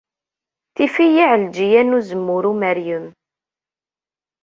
Tif-iyi Ɛelǧiya n Uzemmur Umeryem.